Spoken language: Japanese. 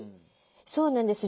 そうなんです。